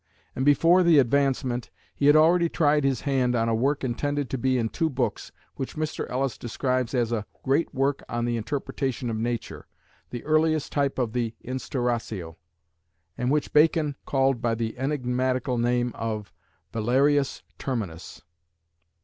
And before the Advancement he had already tried his hand on a work intended to be in two books, which Mr. Ellis describes as a "great work on the Interpretation of Nature," the "earliest type of the Instauratio," and which Bacon called by the enigmatical name of Valerius Terminus.